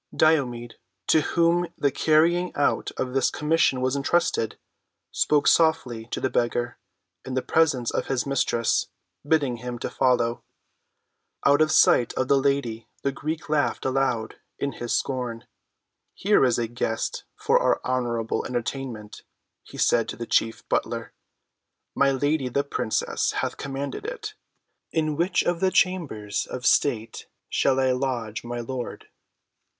Diomed, to whom the carrying out of this commission was entrusted, spoke softly to the beggar in the presence of his mistress, bidding him follow. Out of sight of the lady the Greek laughed aloud in his scorn. "Here is a guest for our honorable entertainment," he said to the chief butler. "My lady the princess hath commanded it. In which of the chambers of state shall I lodge my lord?"